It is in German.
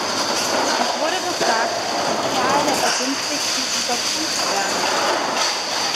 Es wurde gefragt, ob die Zahl der Begünstigten überprüft werden wird.